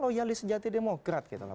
loyalis sejati demokrat gitu loh